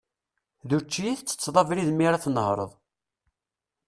D učči i ttetteḍ abrid mi ara tnehhreḍ.